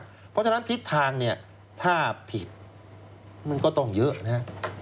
เพราะฉะนั้นทิศทางเนี่ยถ้าผิดมันก็ต้องเยอะนะครับ